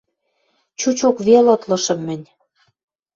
Чучок вел ытлышым мӹнь